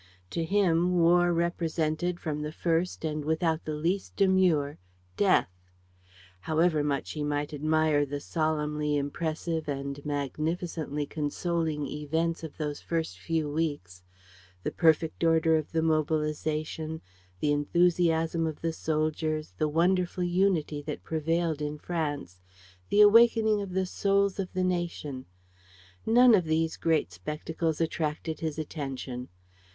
To him, war represented, from the first and without the least demur, death. However much he might admire the solemnly impressive and magnificently consoling events of those first few weeks the perfect order of the mobilization, the enthusiasm of the soldiers, the wonderful unity that prevailed in France, the awakening of the souls of the nation none of these great spectacles attracted his attention.